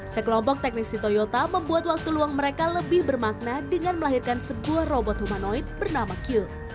sekelompok teknisi toyota membuat waktu luang mereka lebih bermakna dengan melahirkan sebuah robot humanoid bernama q